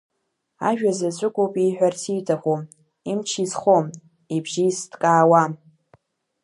Ажәа заҵәыкоуп ииҳәарц ииҭаху, имч изхом, ибжьы изҭкаауам.